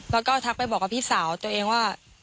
แล้วก็ทักไปบอกกับพี่สาวตัวเองว่า